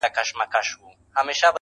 څومره دي ښايست ورباندي ټك واهه.